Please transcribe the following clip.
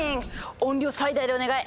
音量最大でお願い！